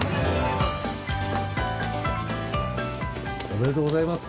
おめでとうございます！